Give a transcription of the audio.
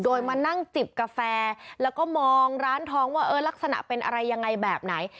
โดยมานั่งจิบกาแฟแล้วก็มองร้านทองว่าเออลักษณะเป็นอะไรยังไงแบบไหน